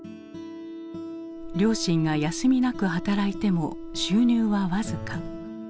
両親が休みなく働いても収入は僅か。